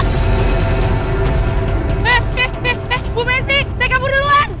eh eh eh bu mensi saya kabur duluan